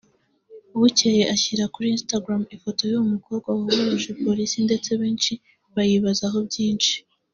bukeye ashyira kuri Instagram ifoto y’uwo mukobwa wahuruje Polisi ndetse benshi bayibazaho byinshi